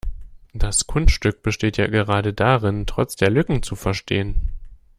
Das Kunststück besteht ja gerade darin, trotz der Lücken zu verstehen.